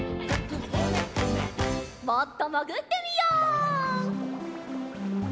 もっともぐってみよう。